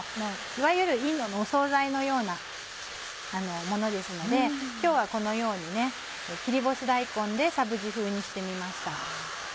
いわゆるインドの総菜のようなものですので今日はこのように切り干し大根でサブジ風にしてみました。